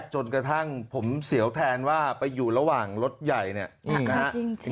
จนกระทั่งผมเสียวแทนว่าไปอยู่ระหว่างรถใหญ่เนี่ยนะฮะ